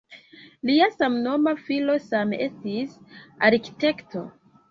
Lia samnoma filo same estis arkitekto.